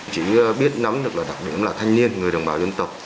chỉ biết nắm được là đặc điểm là thanh niên người đồng bào dân tộc